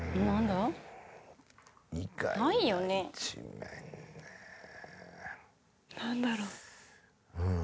何だろう？